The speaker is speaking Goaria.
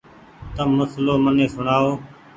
تم مسلو مني سوڻآئو۔